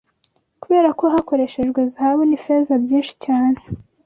kubera ko hakoreshejwe zahabu n’ifeza byinshi cyane